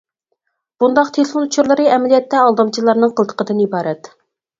بۇنداق تېلېفون ئۇچۇرلىرى ئەمەلىيەتتە ئالدامچىلارنىڭ قىلتىقىدىن ئىبارەت.